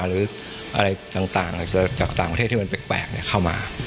หรืออะไรต่างจากต่างประเทศที่มันแปลกเข้ามา